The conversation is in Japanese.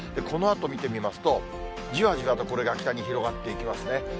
このあと見てみますと、じわじわと、これが北に広がっていきますね。